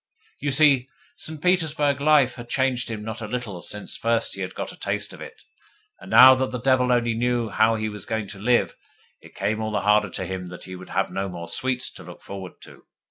You see, St. Petersburg life had changed him not a little since first he had got a taste of it, and, now that the devil only knew how he was going to live, it came all the harder to him that he should have no more sweets to look forward to.